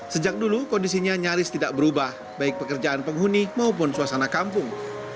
sejak dulu kondisinya nyaris tidak berubah baik pekerjaan penghuni maupun suasana kampung